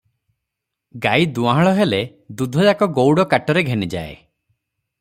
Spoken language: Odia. ଗାଈ ଦୁହାଁଳ ହେଲେ ଦୁଧଯାକ ଗଉଡ କାଟରେ ଘେନିଯାଏ ।